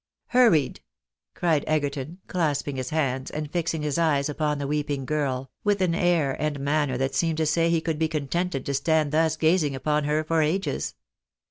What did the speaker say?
" Hurried !" cried Egerton, clasping his hands, and fixing his eyes upon the weeping girl, with an air and manner that seemed to say he could be contented to stand thus gazing upon her for ages.